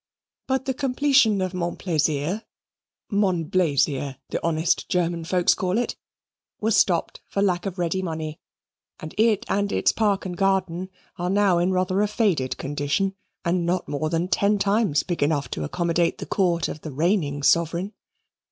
But the completion of Monplaisir (Monblaisir the honest German folks call it) was stopped for lack of ready money, and it and its park and garden are now in rather a faded condition, and not more than ten times big enough to accommodate the Court of the reigning Sovereign.